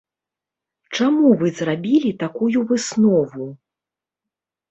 Чаму вы зрабілі такую выснову?